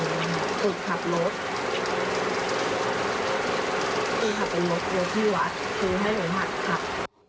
คือขับไปรถรถที่วัดคือให้เหมือนผักครับ